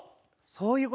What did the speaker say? そういう事